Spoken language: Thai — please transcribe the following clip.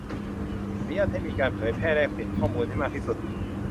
อนุญาตให้มีการเผยแพร่แลกเปลี่ยนข้อมูลให้มากที่สุด